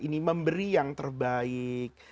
ini memberi yang terbaik